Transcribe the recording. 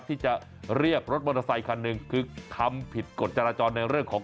ที่จะเรียกรถมอเตอร์ไซคันหนึ่งคือทำผิดกฎจราจรในเรื่องของ